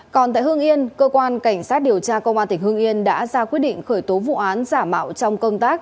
còn tại hương yên cơ quan cảnh sát điều tra công an tỉnh hương yên đã ra quyết định khởi tố vụ án giả mạo trong công tác